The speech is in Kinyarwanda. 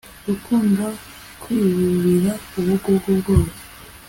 gukunda kwikubira, ubugugu bwose